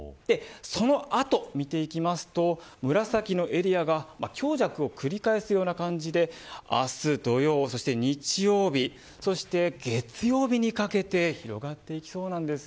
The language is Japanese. その後を見ていきますと紫のエリアが強弱を繰り返すような感じで明日土曜、そして日曜そして月曜日にかけて広がってきそうです。